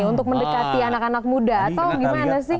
untuk mendekati anak anak muda atau gimana sih